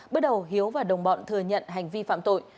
bước đầu hiếu và đồng bọn thừa nhận hành vi phạm tội